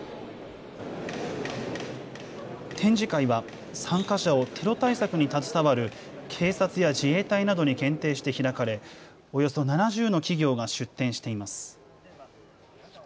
展示会は参加者をテロ対策に携わる警察や自衛隊などに限定して開かれおよそ７０の企業が出展しています。